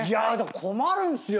困るんすよ。